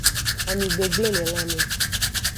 Ami gbegble le lanme.